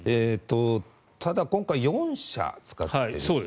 ただ、今回４社使っている。